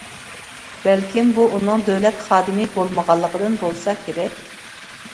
بەلكىم بۇ ئۇنىڭ دۆلەت خادىمى بولمىغانلىقىدىن بولسا كېرەك.